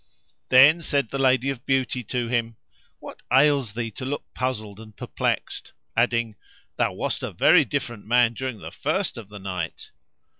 Then said the Lady of Beauty to him, "What ails thee to look puzzled and perplexed?"; adding, "Thou wast a very different man during the first of the night!"